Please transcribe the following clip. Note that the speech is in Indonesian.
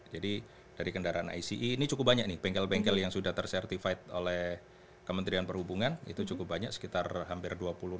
jadi dari kendaraan ice ini cukup banyak nih bengkel bengkel yang sudah tersertified oleh kementerian perhubungan itu cukup banyak sekitar hampir dua puluh enam hampir tiga puluh bengkel nih